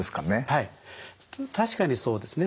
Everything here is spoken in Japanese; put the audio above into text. はい確かにそうですね。